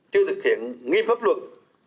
chưa thực hiện nghiêm pháp luật